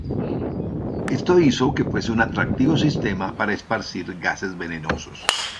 Esto hizo que fuese un atractivo sistema para esparcir gases venenosos.